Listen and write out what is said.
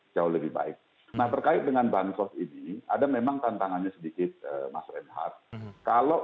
jauh lebih baik nah berkait dengan bahan sosial ini ada memang tantangannya sedikit mas renard kalau